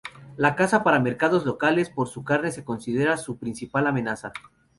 La caza para mercados locales por su carne se considera su principal amenaza.